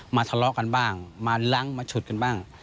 มาลั่งมาฉุดกันบ้าง